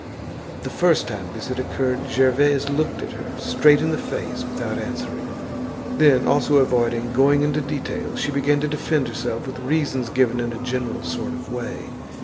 The first time this had occurred Gervaise looked at her straight in the face without answering. Then, also avoiding going into details, she began to defend herself with reasons given in a general sort of way.